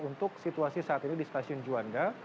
untuk situasi saat ini di stasiun juanda